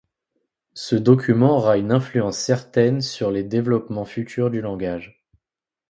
Ce document aura une influence certaine sur les développements futurs du langage.